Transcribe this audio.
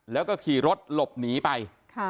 แล้วก็ขี่รถหลบหนีไป